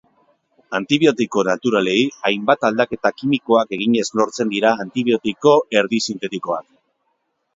Antibiotiko naturalei hainbat aldaketa kimikoak eginez lortzen dira antibiotiko erdi-sintetikoak.